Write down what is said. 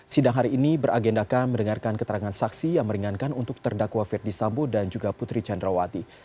sidang hari ini beragendakan mendengarkan keterangan saksi yang meringankan untuk terdakwa ferdis sambo dan juga putri candrawati